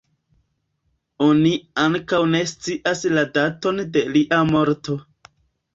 Oni ankaŭ ne scias la daton de lia morto.